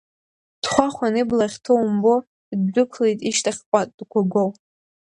Дхәахәан, ибла ахьҭоу умбо, ддәықәлеит ишьҭахьҟа дгәагәо.